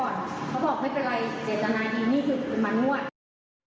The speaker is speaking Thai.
เขาบอกไม่เป็นไรเจตนาดีนี่คือมานวด